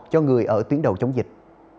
cho người ở tuyến đầu chống dịch